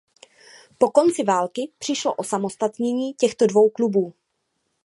Po konci války přišlo osamostatnění těchto dvou klubů.